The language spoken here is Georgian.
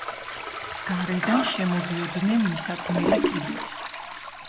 გარედან შემოდიოდნენ მისადგმელი კიბით.